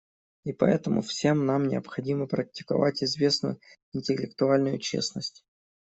И поэтому всем нам необходимо практиковать известную интеллектуальную честность.